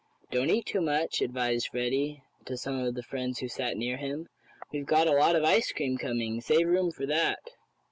"Don't eat too much," advised Freddie to some of the friends who sat near him. "We've got a lot of ice cream coming. Save room for that."